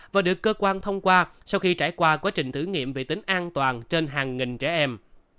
và được cơ quan thông qua sau khi trải qua quá trình thử nghiệm về tính an toàn trên hàng nghìn trẻ em